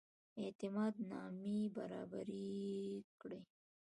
اعتماد نامې برابري کړي.